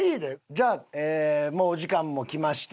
じゃあもうお時間もきまして。